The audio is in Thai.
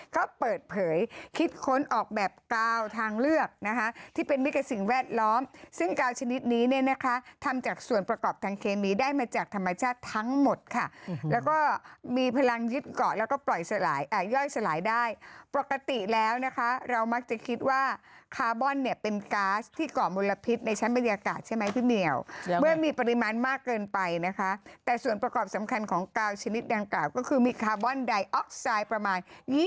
เขาเปิดเผยคิดค้นออกแบบกาวทางเลือกนะคะที่เป็นวิกสิ่งแวดล้อมซึ่งกาวชนิดนี้เนี่ยนะคะทำจากส่วนประกอบทางเคมีได้มาจากธรรมชาติทั้งหมดค่ะแล้วก็มีพลังยึดเกาะแล้วก็ปล่อยสลายย่อยสลายได้ปกติแล้วนะคะเรามักจะคิดว่าคาร์บอนเนี่ยเป็นกาซที่เกาะมลพิษในชั้นบรรยากาศใช่ไหมพี่เหนียวเมื่อมีปริมาณ